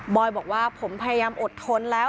อยบอกว่าผมพยายามอดทนแล้ว